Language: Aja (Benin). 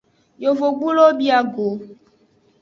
Yovogbulowo bia go.